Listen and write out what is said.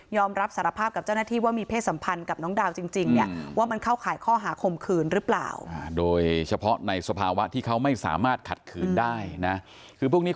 ยอมรับสารภาพกับเจ้าหน้าที่ว่ามีเพศสัมพันธ์กับน้องดาวจริง